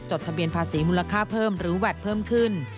ทะเบียนภาษีมูลค่าเพิ่มหรือแวดเพิ่มขึ้น